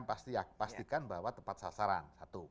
pastikan bahwa tepat sasaran